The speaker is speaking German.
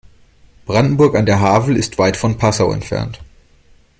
Brandenburg an der Havel ist weit von Passau entfernt